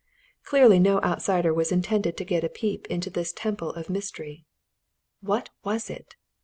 Clearly no outsider was intended to get a peep into this temple of mystery. What was it?